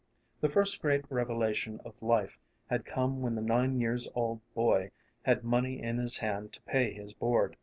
The first great revelation of life had come when the nine years old boy had money in his hand to pay his board.